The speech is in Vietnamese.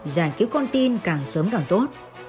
giải cứu con tin càng sớm càng tốt